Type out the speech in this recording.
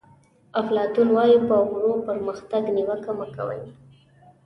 افلاطون وایي په ورو پرمختګ نیوکه مه کوئ.